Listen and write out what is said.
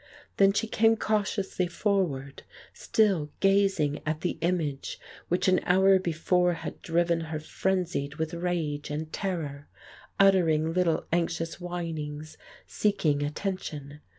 Then she came cautiously forward, still gazing at the image which an hour before had driven her frenzied with rage and terror, uttering little anxious whinings, seeking attention.